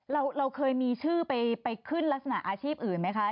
เราเคยมีชื่อไปขึ้นลักษณะอาชีพอื่นไหมคะ